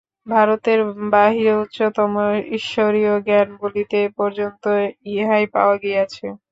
ভারতের বাহিরে উচ্চতম ঈশ্বরীয় জ্ঞান বলিতে এ পর্যন্ত ইহাই পাওয়া গিয়াছে।